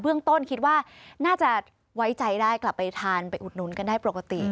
ต้นคิดว่าน่าจะไว้ใจได้กลับไปทานไปอุดหนุนกันได้ปกติ